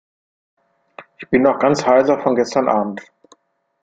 Ich bin noch ganz heiser von gestern Abend.